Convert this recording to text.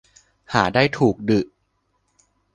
หาได้ถูกดึ